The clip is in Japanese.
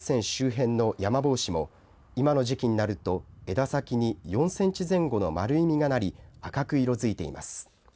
雲仙温泉周辺のヤマボウシも今の時期になると枝先に４センチ前後の丸い実がなり赤く色づいています。